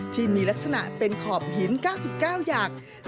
ที่มีลักษณะเป็นขอบหิน๙๙อย่าง